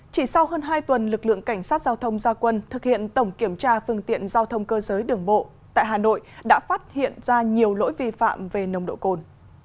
chỉ sau hơn hai tuần lực lượng cảnh sát giao thông gia quân thực hiện tổng kiểm tra phương tiện giao thông cơ giới đường bộ tại hà nội đã phát hiện ra nhiều lỗi vi phạm về nồng độ cồn